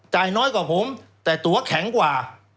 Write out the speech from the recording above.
น้อยกว่าผมแต่ตัวแข็งกว่า